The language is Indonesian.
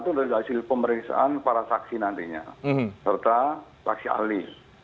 itu dari hasil pemeriksaan para saksi nantinya serta saksi ahli